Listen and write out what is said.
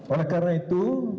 oleh karena itu